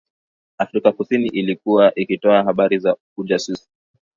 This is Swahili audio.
Afrika kusini ilikuwa ikitoa habari za ujasusi